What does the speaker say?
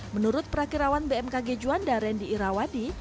menurut perakirawan bmkg juanda randy irawadi